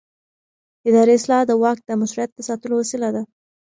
اداري اصلاح د واک د مشروعیت د ساتلو وسیله ده